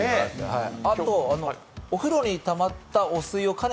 あとお風呂にたまったお水をかね